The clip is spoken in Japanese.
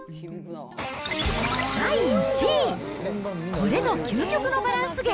第１位、これぞ究極のバランス芸。